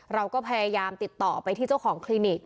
เราก็พยายามติดต่อไปที่เจ้าของคลินิก